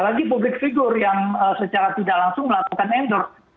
lalu eh ada lagi publik figur yang secara tidak langsung melakukan endorse